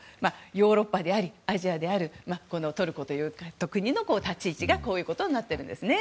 ヨーロッパであり、アジアであるトルコという国の立ち位置がこういうことになっているんですね。